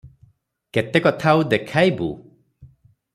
କେତେକଥା ଆଉ ଦେଖାଇବୁ?